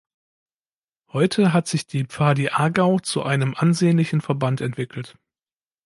Heute hat sich die Pfadi Aargau zu einem ansehnlichen Verband entwickelt.